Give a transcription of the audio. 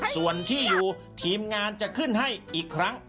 ส่วนที่อยู่ทีมงานจะขึ้นให้อีกครั้ง